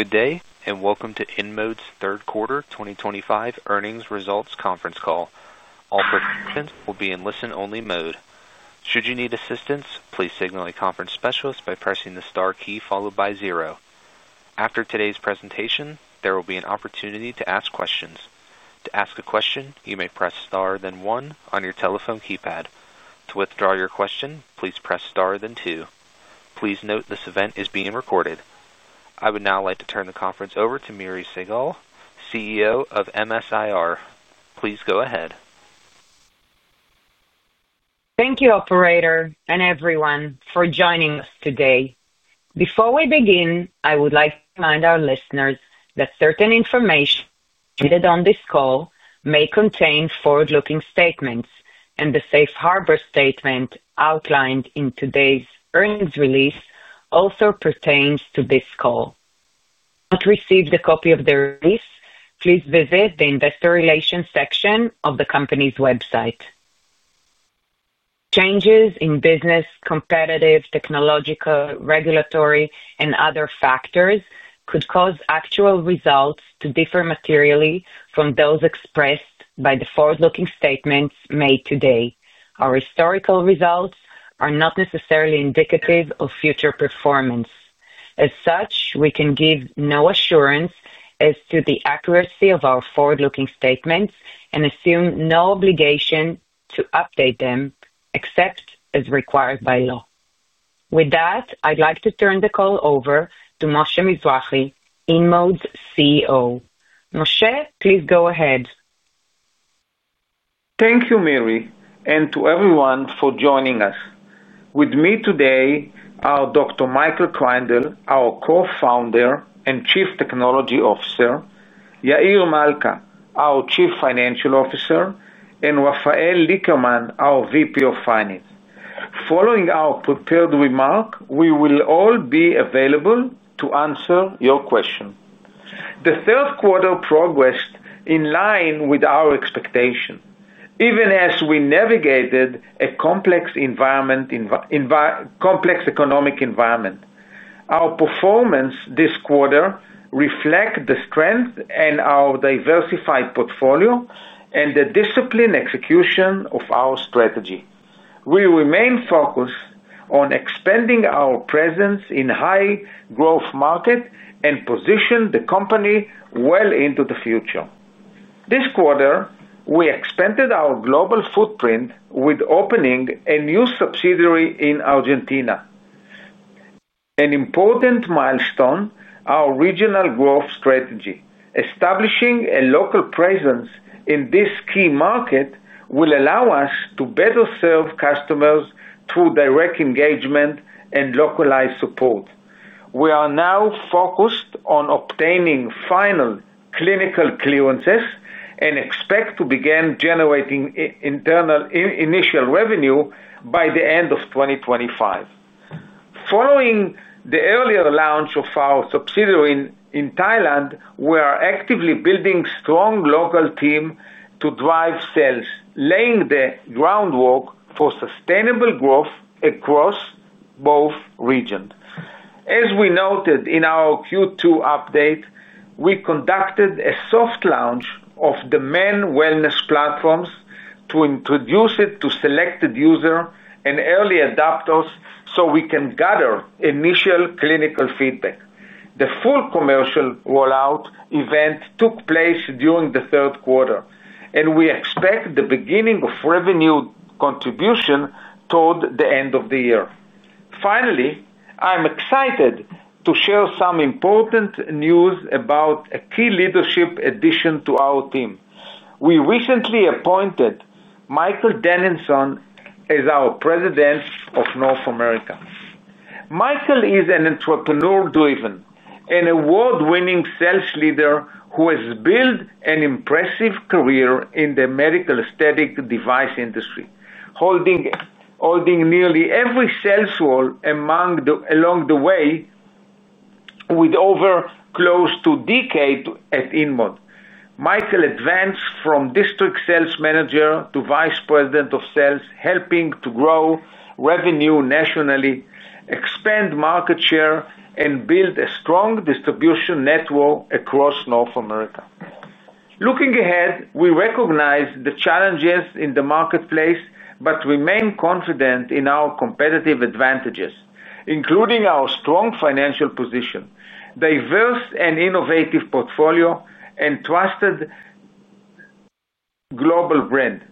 Good day, and welcome to InMode's third quarter 2025 earnings results conference call. All participants will be in listen-only mode. Should you need assistance, please signal a conference specialist by pressing the star key followed by zero. After today's presentation, there will be an opportunity to ask questions. To ask a question, you may press star then one on your telephone keypad. To withdraw your question, please press star then two. Please note this event is being recorded. I would now like to turn the conference over to Miri Segal, CEO of MSIR. Please go ahead. Thank you, Operator, and everyone, for joining us today. Before we begin, I would like to remind our listeners that certain information shared on this call may contain forward-looking statements, and the safe harbor statement outlined in today's earnings release also pertains to this call. To receive the copy of the release, please visit the investor relations section of the company's website. Changes in business, competitive, technological, regulatory, and other factors could cause actual results to differ materially from those expressed by the forward-looking statements made today. Our historical results are not necessarily indicative of future performance. As such, we can give no assurance as to the accuracy of our forward-looking statements and assume no obligation to update them except as required by law. With that, I'd like to turn the call over to Moshe Mizrahy, InMode's CEO. Moshe, please go ahead. Thank you, Miri, and to everyone for joining us. With me today are Dr. Michael Kreindel, our Co-founder and Chief Technology Officer; Yair Malca, our Chief Financial Officer; and Rafael Lickerman, our VP of Finance. Following our prepared remark, we will all be available to answer your questions. The third quarter progressed in line with our expectations, even as we navigated a complex economic environment. Our performance this quarter reflected the strength in our diversified portfolio and the disciplined execution of our strategy. We remained focused on expanding our presence in high-growth markets and positioned the company well into the future. This quarter, we expanded our global footprint with opening a new subsidiary in Argentina. An important milestone is our regional growth strategy. Establishing a local presence in this key market will allow us to better serve customers through direct engagement and localized support. We are now focused on obtaining final clinical clearances and expect to begin generating initial revenue by the end of 2025. Following the earlier launch of our subsidiary in Thailand, we are actively building a strong local team to drive sales, laying the groundwork for sustainable growth across both regions. As we noted in our Q2 update, we conducted a soft launch of the main wellness platforms to introduce it to selected users and early adopters so we can gather initial clinical feedback. The full commercial rollout event took place during the third quarter, and we expect the beginning of revenue contribution toward the end of the year. Finally, I'm excited to share some important news about a key leadership addition to our team. We recently appointed Michael Denison as our President of North America. Michael is an entrepreneur-driven, an award-winning sales leader who has built an impressive career in the medical aesthetic device industry, holding nearly every sales role along the way. With over close to a decade at InMode. Michael advanced from district sales manager to vice president of sales, helping to grow revenue nationally, expand market share, and build a strong distribution network across North America. Looking ahead, we recognize the challenges in the marketplace but remain confident in our competitive advantages, including our strong financial position, diverse and innovative portfolio, and trusted global brand.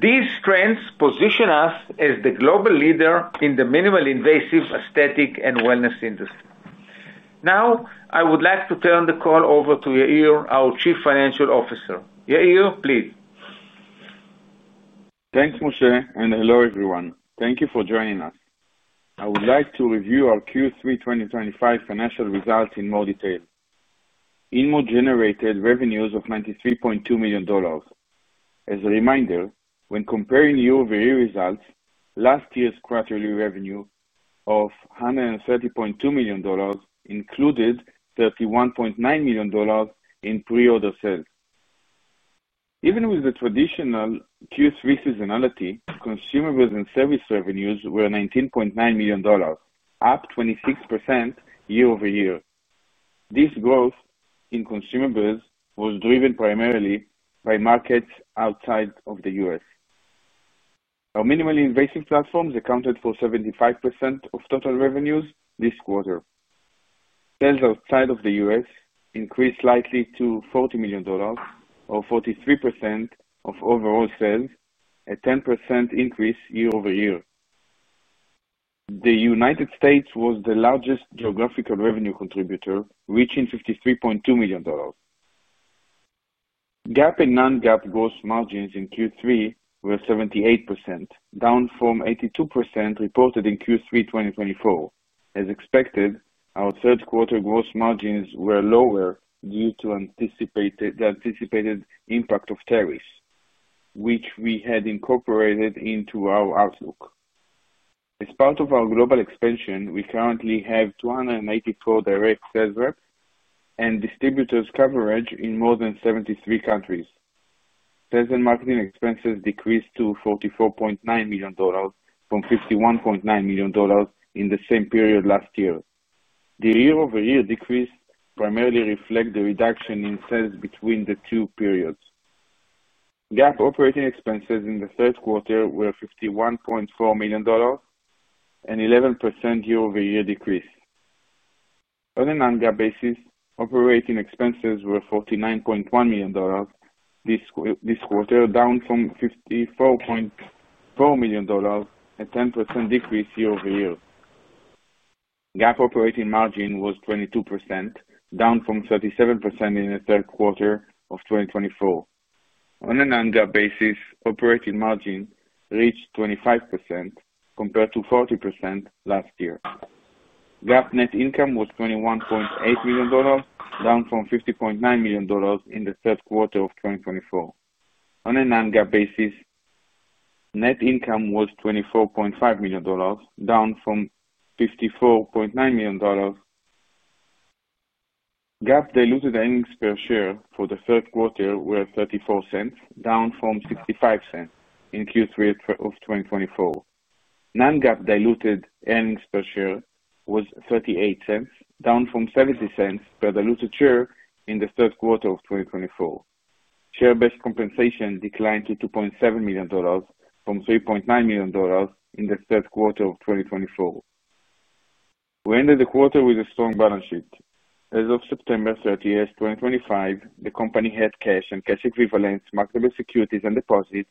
These strengths position us as the global leader in the minimally invasive aesthetic and wellness industry. Now, I would like to turn the call over to Yair, our Chief Financial Officer. Yair, please. Thanks, Moshe, and hello, everyone. Thank you for joining us. I would like to review our Q3 2025 financial results in more detail. InMode generated revenues of $93.2 million. As a reminder, when comparing year-over-year results, last year's quarterly revenue of $130.2 million included $31.9 million in pre-order sales. Even with the traditional Q3 seasonality, consumables and service revenues were $19.9 million, up 26% year-over-year. This growth in consumables was driven primarily by markets outside of the U.S. Our minimally invasive platforms accounted for 75% of total revenues this quarter. Sales outside of the U.S. increased slightly to $40 million, or 43% of overall sales, a 10% increase year-over-year. The United States was the largest geographical revenue contributor, reaching $53.2 million. GAAP and non-GAAP gross margins in Q3 were 78%, down from 82% reported in Q3 2024. As expected, our third-quarter gross margins were lower due to the anticipated impact of tariffs, which we had incorporated into our outlook. As part of our global expansion, we currently have 284 direct sales reps and distributors' coverage in more than 73 countries. Sales and marketing expenses decreased to $44.9 million from $51.9 million in the same period last year. The year-over-year decrease primarily reflects the reduction in sales between the two periods. GAAP operating expenses in the third quarter were $51.4 million, an 11% year-over-year decrease. On a non-GAAP basis, operating expenses were $49.1 million this quarter, down from $54.4 million, a 10% decrease year-over-year. GAAP operating margin was 22%, down from 37% in the third quarter of 2024. On a non-GAAP basis, operating margin reached 25% compared to 40% last year. GAAP net income was $21.8 million, down from $50.9 million in the third quarter of 2024. On a non-GAAP basis. Net income was $24.5 million, down from $54.9 million. GAAP diluted earnings per share for the third quarter were $0.34, down from $0.65 in Q3 of 2024. Non-GAAP diluted earnings per share was $0.38, down from $0.70 per diluted share in the third quarter of 2024. Share-based compensation declined to $2.7 million from $3.9 million in the third quarter of 2024. We ended the quarter with a strong balance sheet. As of September 30, 2025, the company had cash and cash equivalents, marketable securities, and deposits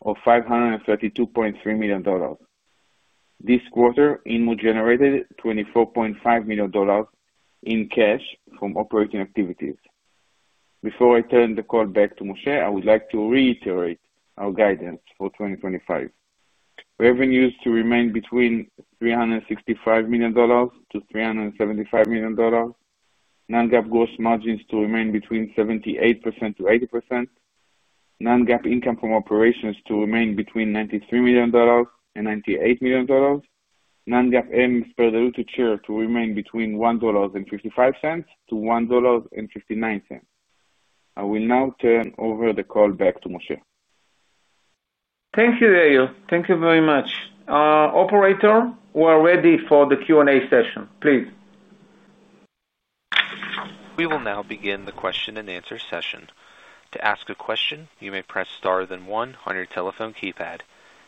of $532.3 million. This quarter, InMode generated $24.5 million in cash from operating activities. Before I turn the call back to Moshe, I would like to reiterate our guidance for 2025. Revenues to remain between $365 million-$375 million. Non-GAAP gross margins to remain between 78%-80%. Non-GAAP income from operations to remain between $93 million and $98 million. Non-GAAP earnings per diluted share to remain between $1.55 and $1.59. I will now turn over the call back to Moshe. Thank you, Yair. Thank you very much. Operator, we are ready for the Q&A session. Please. We will now begin the question-and-answer session. To ask a question, you may press star then one on your telephone keypad.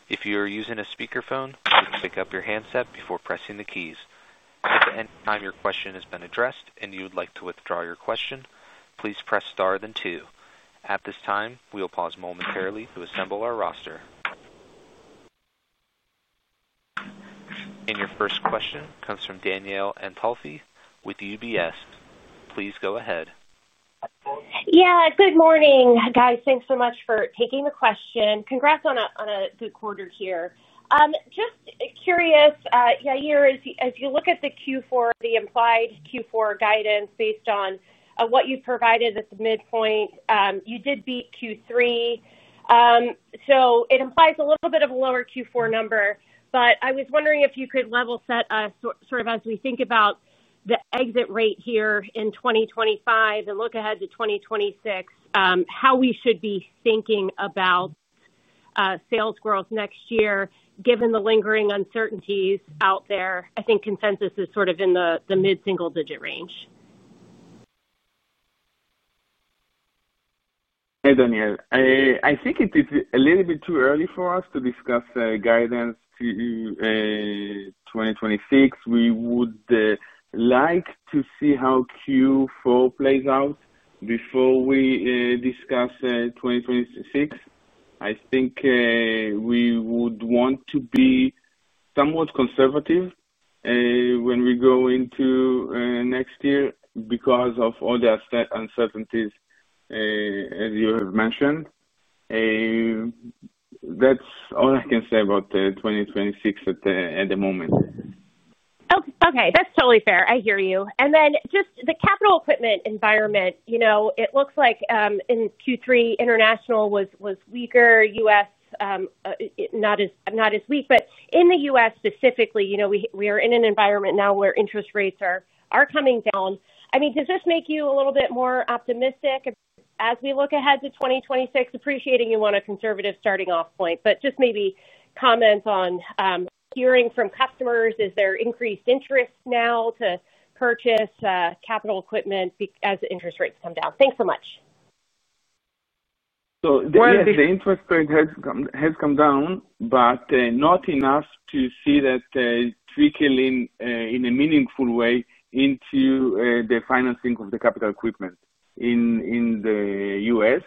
If you are using a speakerphone, please pick up your handset before pressing the keys. At any time your question has been addressed and you would like to withdraw your question, please press star then two. At this time, we will pause momentarily to assemble our roster. Your first question comes from Danielle Antolfi with UBS. Please go ahead. Yeah. Good morning, guys. Thanks so much for taking the question. Congrats on a good quarter here. Just curious, Yair, as you look at the Q4, the implied Q4 guidance based on what you've provided at the midpoint, you did beat Q3. It implies a little bit of a lower Q4 number, but I was wondering if you could level set us sort of as we think about the exit rate here in 2025 and look ahead to 2026, how we should be thinking about sales growth next year given the lingering uncertainties out there. I think consensus is sort of in the mid-single-digit range. Hey, Danielle. I think it is a little bit too early for us to discuss guidance to 2026. We would like to see how Q4 plays out before we discuss 2026. I think we would want to be somewhat conservative when we go into next year because of all the uncertainties, as you have mentioned. That's all I can say about 2026 at the moment. Okay. That's totally fair. I hear you. And then just the capital equipment environment, it looks like in Q3, international was weaker, U.S. not as weak, but in the U.S. specifically, we are in an environment now where interest rates are coming down. I mean, does this make you a little bit more optimistic as we look ahead to 2026, appreciating you want a conservative starting off point, but just maybe comment on. Hearing from customers? Is there increased interest now to purchase capital equipment as interest rates come down? Thanks so much. The interest rate has come down, but not enough to see that trickling in a meaningful way into the financing of the capital equipment in the U.S.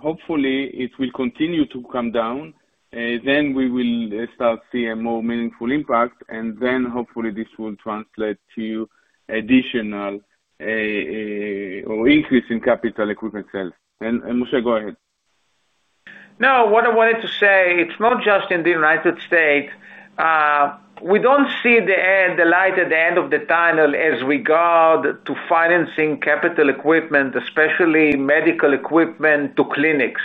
Hopefully, it will continue to come down. We will start to see a more meaningful impact, and hopefully this will translate to additional or increased capital equipment sales. Moshe, go ahead. No, what I wanted to say, it's not just in the United States. We don't see the light at the end of the tunnel as we go to financing capital equipment, especially medical equipment to clinics.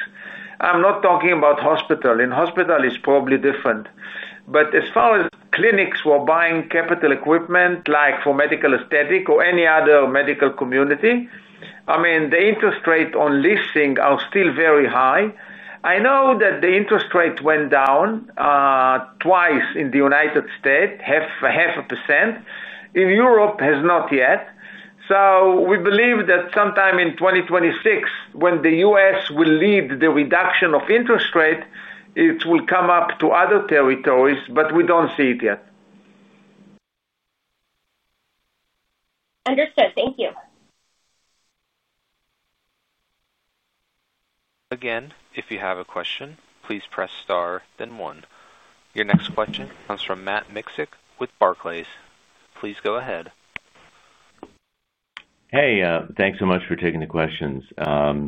I'm not talking about hospital. In hospital, it's probably different. As far as clinics were buying capital equipment like for medical aesthetic or any other medical community, I mean, the interest rate on leasing are still very high. I know that the interest rate went down twice in the United States, half a percent. In Europe, it has not yet. We believe that sometime in 2026, when the U.S. will lead the reduction of interest rates, it will come up to other territories, but we don't see it yet. Understood. Thank you. Again, if you have a question, please press star then one. Your next question comes from Matt Mikczik with Barclays. Please go ahead. Hey, thanks so much for taking the questions. Yeah,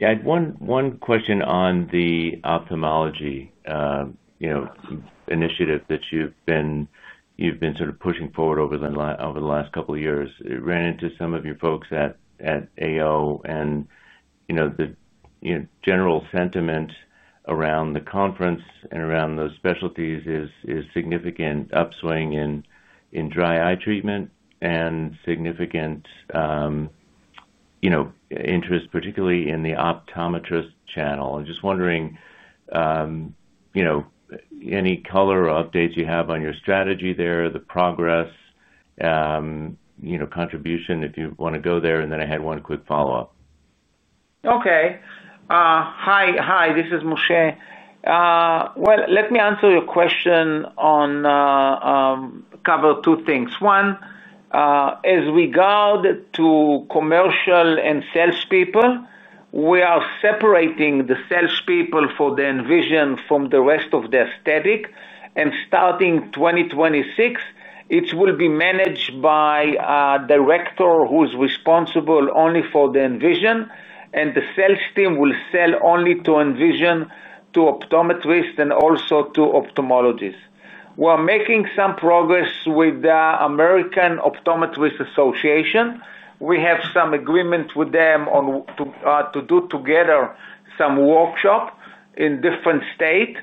I had one question on the ophthalmology initiative that you've been sort of pushing forward over the last couple of years. I ran into some of your folks at AO, and the general sentiment around the conference and around those specialties is significant upswing in dry eye treatment and significant interest, particularly in the optometrist channel. I'm just wondering, any color or updates you have on your strategy there, the progress, contribution if you want to go there, and then I had one quick follow-up. Okay. Hi, this is Moshe. Let me answer your question on. Cover two things. One. As we go to commercial and salespeople. We are separating the salespeople for the Envision from the rest of the aesthetic. Starting 2026, it will be managed by a director who's responsible only for the Envision, and the sales team will sell only to Envision, to optometrists, and also to ophthalmologists. We are making some progress with the American Optometrist Association. We have some agreement with them to do together some workshops in different states.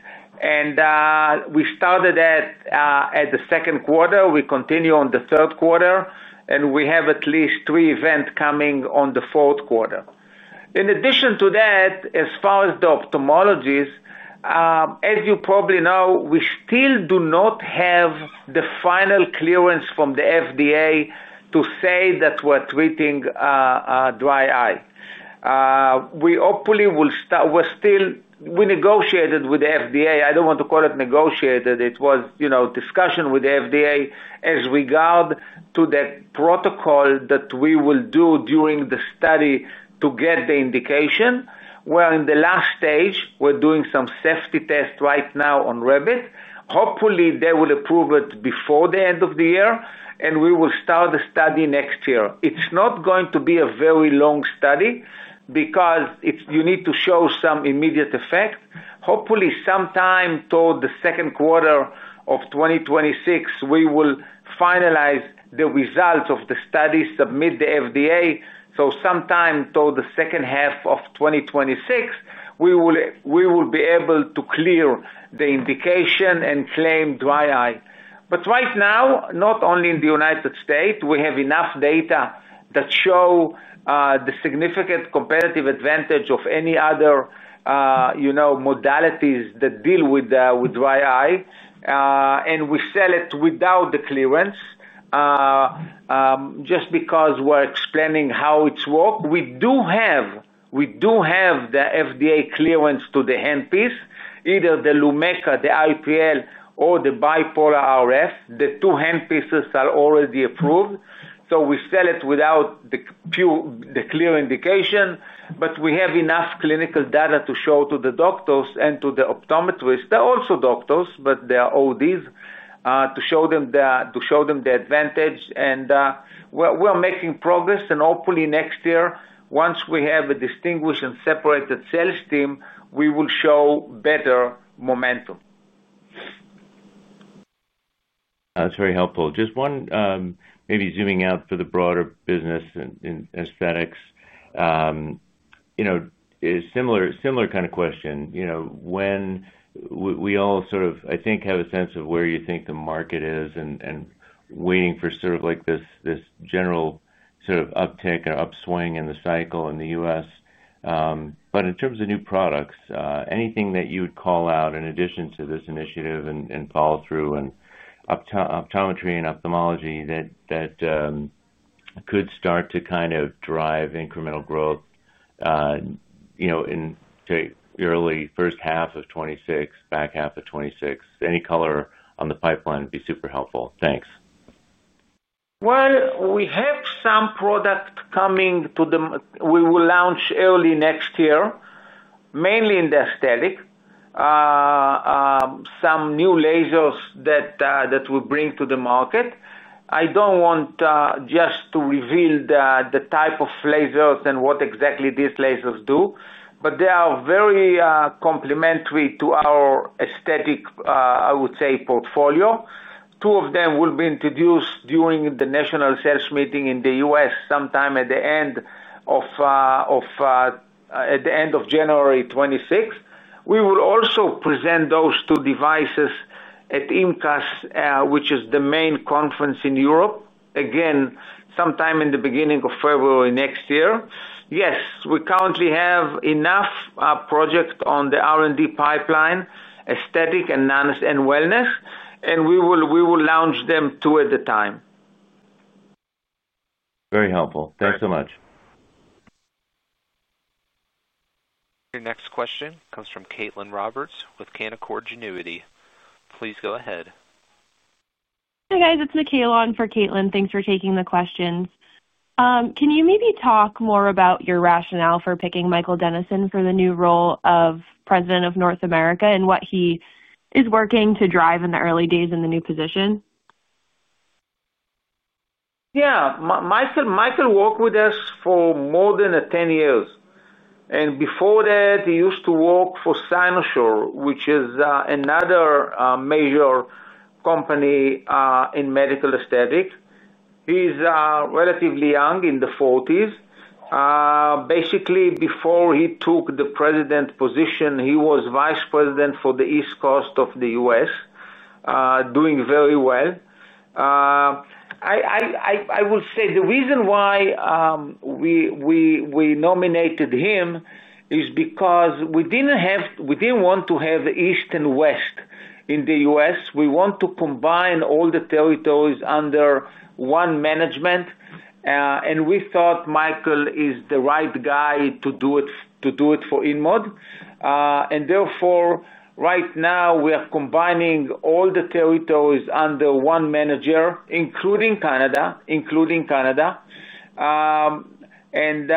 We started at the second quarter. We continue on the third quarter, and we have at least three events coming on the fourth quarter. In addition to that, as far as the ophthalmologists, as you probably know, we still do not have the final clearance from the FDA to say that we're treating dry eye. We hopefully will start, we negotiated with the FDA. I do not want to call it negotiated. It was discussion with the FDA as regard to the protocol that we will do during the study to get the indication. We are in the last stage. We are doing some safety tests right now on Revit. Hopefully, they will approve it before the end of the year, and we will start the study next year. It is not going to be a very long study because you need to show some immediate effect. Hopefully, sometime toward the second quarter of 2026, we will finalize the results of the study, submit the FDA. Sometime toward the second half of 2026, we will be able to clear the indication and claim dry eye. Right now, not only in the United States, we have enough data that show the significant competitive advantage of any other. Modalities that deal with dry eye. We sell it without the clearance just because we are explaining how it works. We do have the FDA clearance to the handpiece, either the Lumecca, the IPL, or the bipolar RF. The two handpieces are already approved. We sell it without the clear indication, but we have enough clinical data to show to the doctors and to the optometrists. They are also doctors, but they are ODs, to show them the advantage. We are making progress. Hopefully, next year, once we have a distinguished and separated sales team, we will show better momentum. That's very helpful. Just one, maybe zooming out for the broader business. In aesthetics. Similar kind of question. We all sort of, I think, have a sense of where you think the market is and waiting for sort of this general sort of uptick or upswing in the cycle in the U.S. But in terms of new products, anything that you would call out in addition to this initiative and follow-through and. Optometry and ophthalmology that. Could start to kind of drive incremental growth. In early first half of 2026, back half of 2026? Any color on the pipeline would be super helpful. Thanks. We have some product coming to the we will launch early next year, mainly in the aesthetic. Some new lasers that we bring to the market. I do not want just to reveal the type of lasers and what exactly these lasers do, but they are very complementary to our aesthetic, I would say, portfolio. Two of them will be introduced during the national sales meeting in the U.S. sometime at the end of January 2026. We will also present those two devices at IMCRAS, which is the main conference in Europe, again, sometime in the beginning of February next year. Yes, we currently have enough projects on the R&D pipeline, aesthetic and wellness, and we will launch them two at a time. Very helpful. Thanks so much. Your next question comes from Caitlin Roberts with Canaccord Genuity. Please go ahead. Hey, guys. It's Nikhil on for Caitlin. Thanks for taking the questions. Can you maybe talk more about your rationale for picking Michael Denison for the new role of President of North America and what he is working to drive in the early days in the new position? Yeah. Michael worked with us for more than 10 years. And before that, he used to work for Cynosure, which is another major company in medical aesthetic. He's relatively young, in the 40s. Basically, before he took the President position, he was Vice President for the East Coast of the U.S. Doing very well. I will say the reason why we nominated him is because we did not want to have the East and West in the U.S. We want to combine all the territories under one management. We thought Michael is the right guy to do it for InMode. Therefore, right now, we are combining all the territories under one manager, including Canada. Anything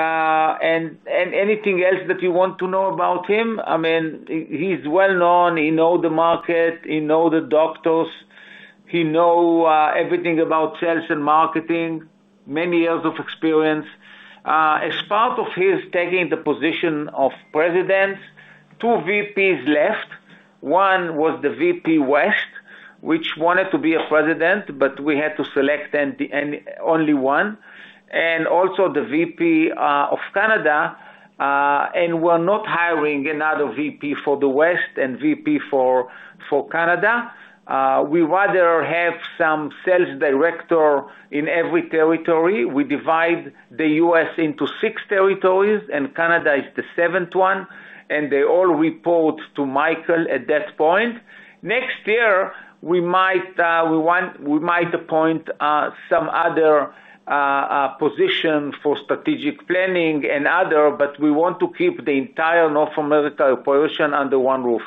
else that you want to know about him? I mean, he's well-known. He knows the market. He knows the doctors. He knows everything about sales and marketing, many years of experience. As part of his taking the position of President, two VPs left. One was the VP West, which wanted to be a President, but we had to select only one. Also the VP of Canada. We are not hiring another VP for the West and VP for Canada. We rather have some Sales Director in every territory. We divide the U.S. into six territories, and Canada is the seventh one. They all report to Michael at that point. Next year, we might appoint some other position for strategic planning and other, but we want to keep the entire North American operation under one roof.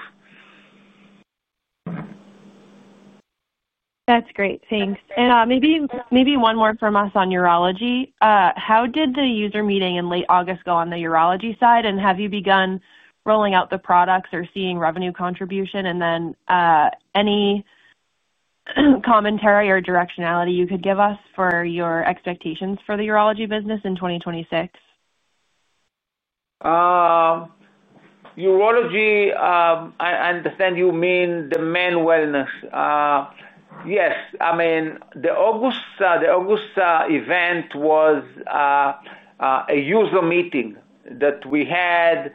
That's great. Thanks. Maybe one more from us on urology. How did the user meeting in late August go on the urology side? Have you begun rolling out the products or seeing revenue contribution? Any commentary or directionality you could give us for your expectations for the urology business in 2026? Urology, I understand you mean the men wellness. Yes. I mean, the August event was a user meeting that we had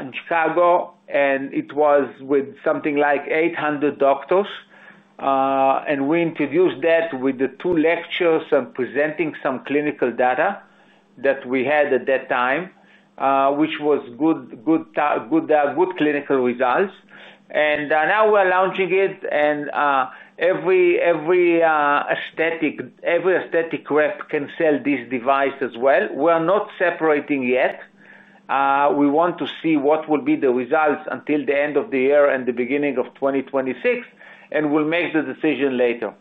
in Chicago, and it was with something like 800 doctors. We introduced that with the two lectures and presenting some clinical data that we had at that time, which was good clinical results. Now we're launching it, and every aesthetic rep can sell this device as well. We're not separating yet. We want to see what will be the results until the end of the year and the beginning of 2026, and we'll make the decision later.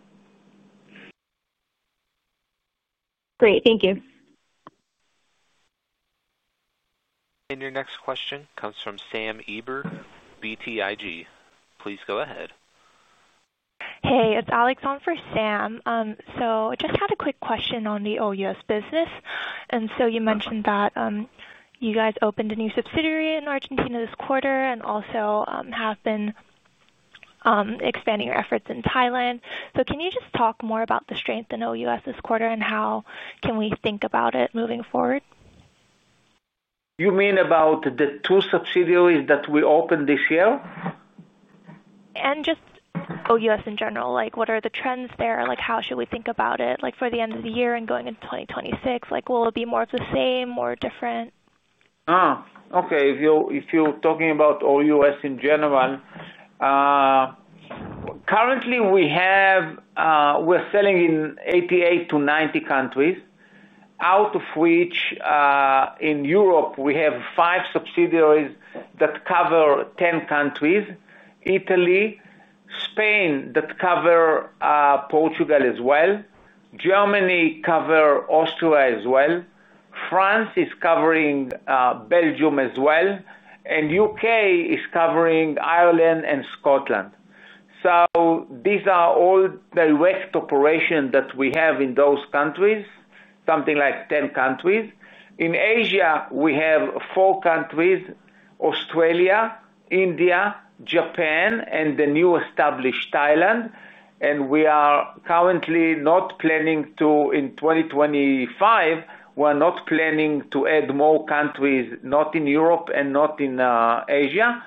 Great. Thank you. Your next question comes from Sam Eberg, BTIG. Please go ahead. Hey, it's Alex on for Sam. I just had a quick question on the OUS business. You mentioned that you guys opened a new subsidiary in Argentina this quarter and also have been expanding your efforts in Thailand. Can you just talk more about the strength in OUS this quarter and how can we think about it moving forward? You mean about the two subsidiaries that we opened this year? Just OUS in general. What are the trends there? How should we think about it for the end of the year and going into 2026? Will it be more of the same or different? Oh, okay. If you're talking about OUS in general. Currently, we're selling in 88 to 90 countries, out of which. In Europe, we have five subsidiaries that cover 10 countries: Italy. Spain that cover. Portugal as well. Germany covers Austria as well. France is covering Belgium as well. The U.K. is covering Ireland and Scotland. These are all direct operations that we have in those countries, something like 10 countries. In Asia, we have four countries: Australia, India, Japan, and the newly established Thailand. We are currently not planning to, in 2025, we're not planning to add more countries, not in Europe and not in Asia.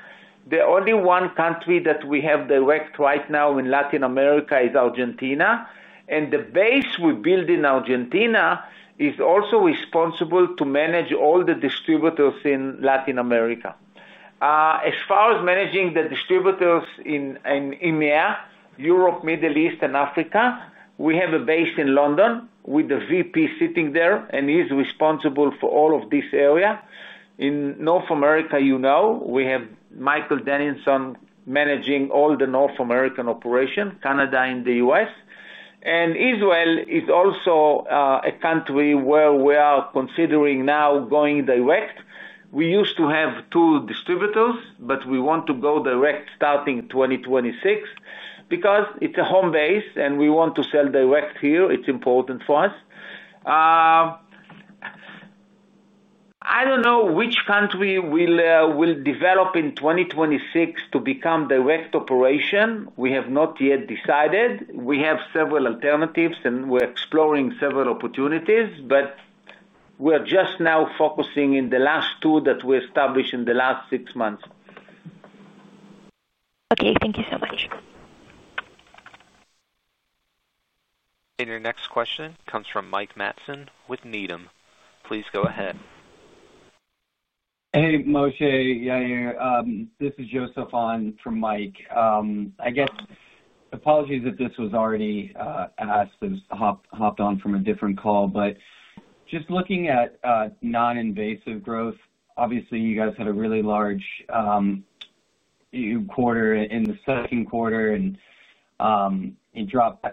The only one country that we have direct right now in Latin America is Argentina. The base we build in Argentina is also responsible to manage all the distributors in Latin America. As far as managing the distributors in EMEA, Europe, Middle East, and Africa, we have a base in London with the VP sitting there and is responsible for all of this area. In North America, you know, we have Michael Denison managing all the North American operation, Canada and the U.S. And Israel is also a country where we are considering now going direct. We used to have two distributors, but we want to go direct starting 2026 because it's a home base, and we want to sell direct here. It's important for us. I don't know which country will develop in 2026 to become direct operation. We have not yet decided. We have several alternatives, and we're exploring several opportunities, but we're just now focusing on the last two that we established in the last six months. Okay. Thank you so much. Your next question comes from Mike Matson with Needham. Please go ahead. Hey, Moshe. Yeah, here. This is Joseph on for Mike. I guess. Apologies if this was already asked. I just hopped on from a different call. Just looking at non-invasive growth, obviously, you guys had a really large quarter in the second quarter and dropped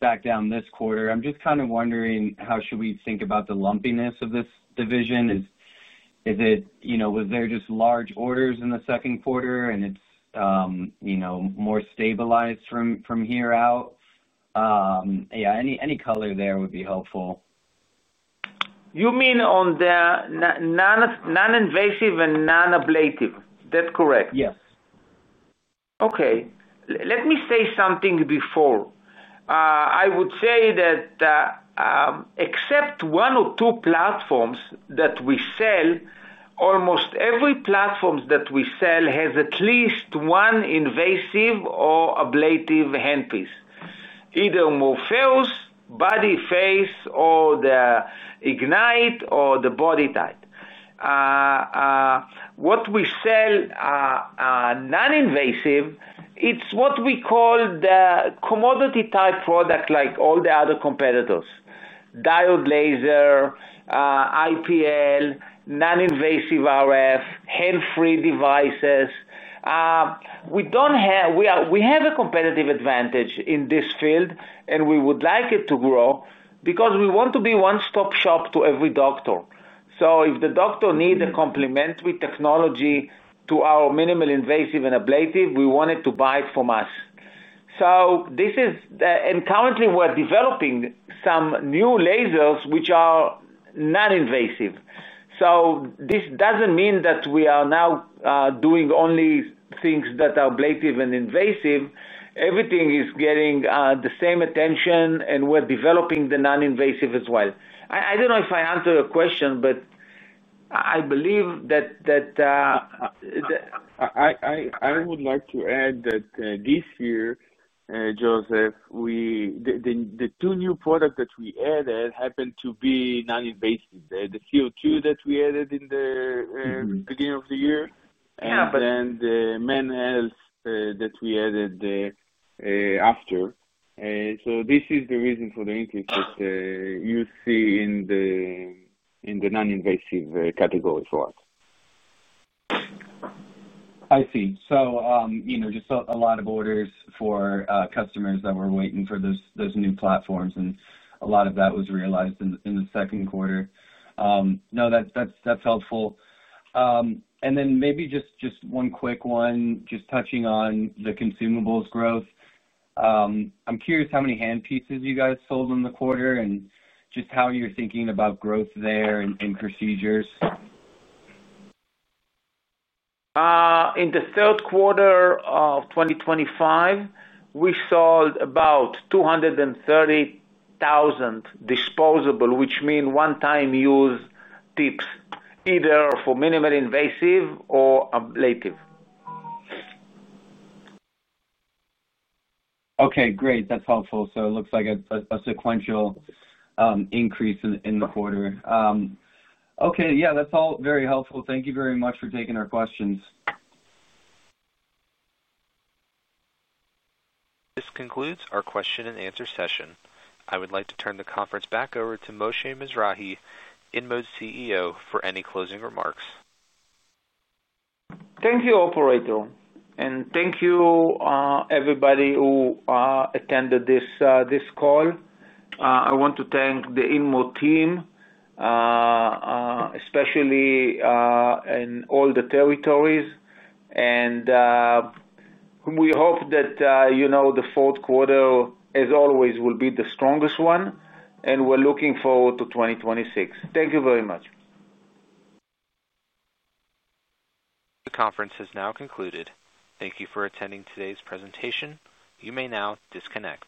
back down this quarter. I'm just kind of wondering, how should we think about the lumpiness of this division? Is it, was there just large orders in the second quarter, and it's more stabilized from here out? Yeah, any color there would be helpful. You mean on the non-invasive and non-ablative. That's correct. Yes. Okay. Let me say something before. I would say that except one or two platforms that we sell, almost every platform that we sell has at least one invasive or ablative handpiece, either Morpheus, Body Face, or the Ignite or the BodyTite. What we sell non-invasive, it's what we call the commodity-type product like all the other competitors: Diode Laser, IPL, non-invasive RF, hand-free devices. We have a competitive advantage in this field, and we would like it to grow because we want to be one-stop shop to every doctor. If the doctor needs a complementary technology to our minimal invasive and ablative, we want it to buy it from us. Currently, we're developing some new lasers which are non-invasive. This doesn't mean that we are now doing only things that are ablative and invasive. Everything is getting the same attention, and we're developing the non-invasive as well. I don't know if I answered your question, but. I believe that. I would like to add that this year, Joseph. The two new products that we added happened to be non-invasive. The CO2 that we added in the beginning of the year and then the Men Health that we added. After. This is the reason for the increase that you see in the. Non-invasive category for us. I see. So just a lot of orders for customers that were waiting for those new platforms, and a lot of that was realized in the second quarter. No, that's helpful. Maybe just one quick one, just touching on the consumables growth. I'm curious how many handpieces you guys sold in the quarter and just how you're thinking about growth there and procedures. In the third quarter of 2025. We sold about 230,000 disposable, which means one-time use tips, either for minimally invasive or ablative. Okay. Great. That's helpful. It looks like a sequential increase in the quarter. Okay. Yeah, that's all very helpful. Thank you very much for taking our questions. This concludes our question-and-answer session. I would like to turn the conference back over to Moshe Mizrahy, InMode CEO, for any closing remarks. Thank you, operator. Thank you, everybody who attended this call. I want to thank the InMode team, especially in all the territories. We hope that the fourth quarter, as always, will be the strongest one. We are looking forward to 2026. Thank you very much. The conference has now concluded. Thank you for attending today's presentation. You may now disconnect.